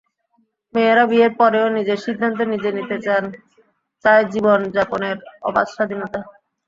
মেয়েরা বিয়ের পরেও নিজের সিদ্ধান্ত নিজে নিতে চান, চায় জীবনযাপনের অবাধ স্বাধীনতা।